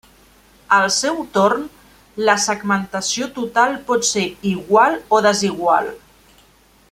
Al seu torn, la segmentació total pot ser igual o desigual.